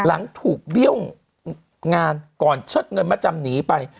หลังถูกเบี้ยวงานก่อนเชิดเงินมาจำหนีไป